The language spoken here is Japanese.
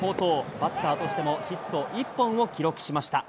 バッターとしてもヒット１本を記録しました。